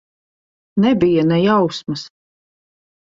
Nebija ne jausmas.